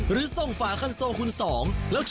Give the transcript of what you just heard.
หรือทรงฝากันโซคุณสอง